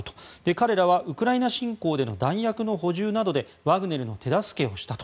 彼らはウクライナ侵攻での弾薬の補充などでワグネルの手助けをしたと。